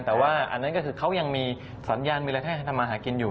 แต่ว่าอันนั้นก็คือเขายังมีสัญญาณมิลักษณะธรรมหากินอยู่